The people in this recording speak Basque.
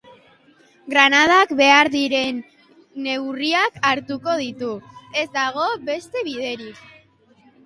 Granadak behar diren neurriak hartuko ditu, ez dago beste biderik.